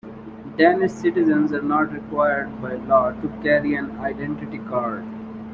Danish citizens are not required by law to carry an identity card.